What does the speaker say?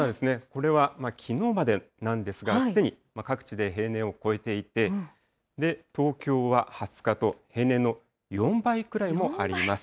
これはきのうまでなんですが、すでに各地で平年を超えていて、東京は２０日と、平年の４倍ぐらいもあります。